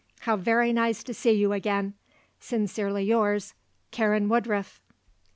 How very nice to see you again. Sincerely yours, "Karen Woodruff."